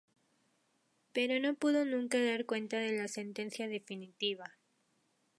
Pero no pudo nunca dar cuenta de la sentencia definitiva.